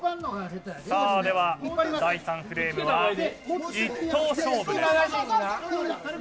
第３フレームは１投勝負です。